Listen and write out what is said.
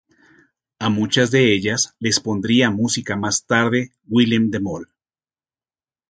A muchas de ellas les pondría música más tarde Willem De Mol.